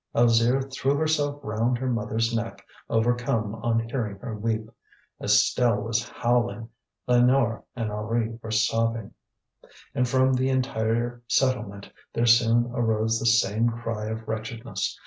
Alzire threw herself round her mother's neck, overcome on hearing her weep. Estelle was howling, Lénore and Henri were sobbing. And from the entire settlement there soon arose the same cry of wretchedness.